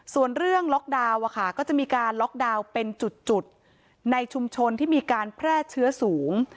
ส่วนเรื่องล็อกดาวน์ก็จะมีการล็อกดาวน์เป็นจุดในชุมชนที่มีการแพร่เชื้อสูง